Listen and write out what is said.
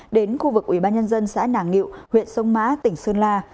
đến khu vực ủy ban nhân dân xã nàng ngịu huyện sông mã tỉnh sơn la